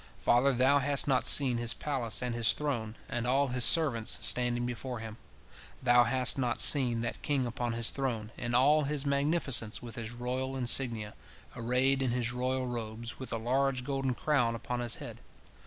Father, thou hast not seen his palace and his throne, and all his servants standing before him. Thou hast not seen that king upon his throne, in all his magnificence and with his royal insignia, arrayed in his royal robes, with a large golden crown upon his head.